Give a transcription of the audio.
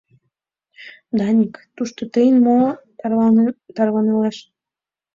— Даник, тушто тыйын мо тарванылеш?